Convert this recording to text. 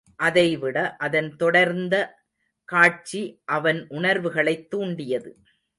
அதைவிட அதன் தொடர்ந்த காட்சி அவன் உணர்வுகளைத் துண்டியது.